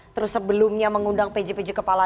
terus sebelumnya mengundang pj pj kepala